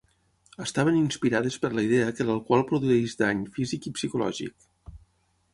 Estaven inspirades per la idea que l'alcohol produeix dany físic i psicològic.